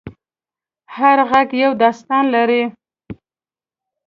هر غږ یو داستان لري.